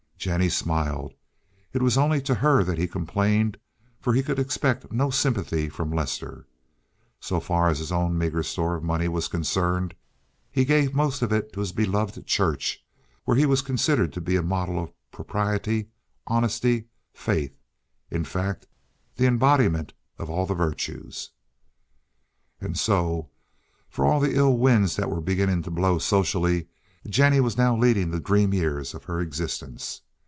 Jennie smiled. It was only to her that he complained, for he could expect no sympathy from' Lester. So far as his own meager store of money was concerned, he gave the most of it to his beloved church, where he was considered to be a model of propriety, honesty, faith—in fact, the embodiment of all the virtues. And so, for all the ill winds that were beginning to blow socially, Jennie was now leading the dream years of her existence.